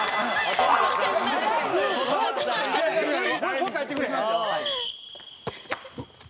もう１回やってくれへん？